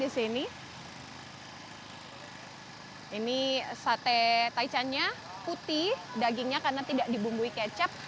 ini sate taichannya putih dagingnya karena tidak dibumbui kecap